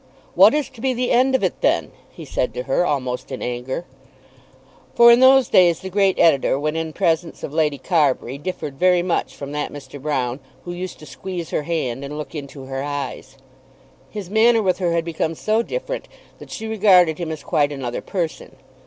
"What is to be the end of it then?" he said to her, almost in anger. For in those days the great editor, when in presence of Lady Carbury, differed very much from that Mr. Broune who used to squeeze her hand and look into her eyes. His manner with her had become so different that she regarded him as quite another person.